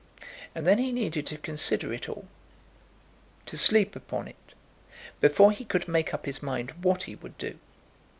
And then he needed to consider it all, to sleep upon it, before he could make up his mind what he would do.